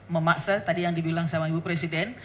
memaksa tadi yang dibilang sama ibu presiden